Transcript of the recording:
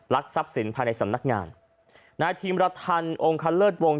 ลักษณ์ทรัพย์สินภาในสำนักงานนะฮะทีมรัฐธรรมองค์คันเลิศวงศ์